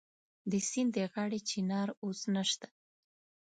د سیند د غاړې چنار اوس نشته